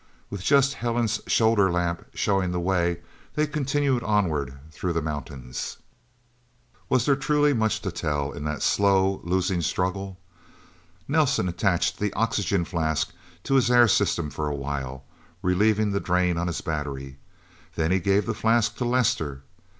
With just Helen's shoulder lamp showing the way, they continued onward through the mountains. Was there truly much to tell, in that slow, losing struggle? Nelsen attached the oxygen flask to his air system for a while, relieving the drain on his battery. Then he gave the flask to Lester.